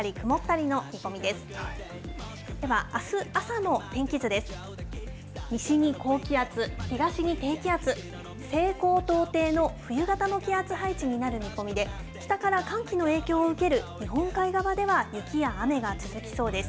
西に高気圧、東に低気圧、西高東低の冬型の気圧配置になる見込みで、北から寒気の影響を受ける日本海側では、雪や雨が続きそうです。